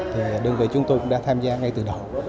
thì đơn vị chúng tôi cũng đã tham gia ngay từ đầu